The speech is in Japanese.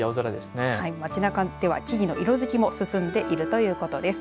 街なかでは木々の色づきも進んでいるということです。